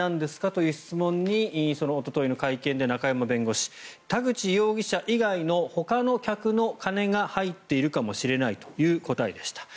という質問におとといの会見で中山弁護士田口容疑者以外のほかの客のお金が入っているかもしれないという答えでした。